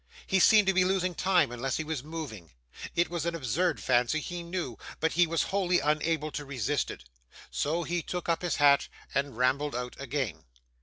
He seemed to be losing time unless he was moving. It was an absurd fancy, he knew, but he was wholly unable to resist it. So, he took up his hat and rambled out again.